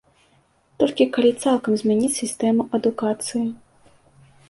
Толькі калі цалкам змяніць сістэму адукацыі.